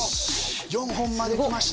４本まできました。